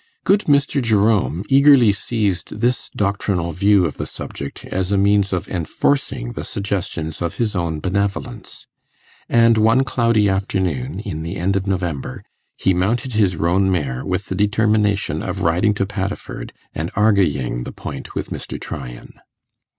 Good Mr. Jerome eagerly seized this doctrinal view of the subject as a means of enforcing the suggestions of his own benevolence; and one cloudy afternoon, in the end of November, he mounted his roan mare with the determination of riding to Paddiford and 'arguying' the point with Mr. Tryan.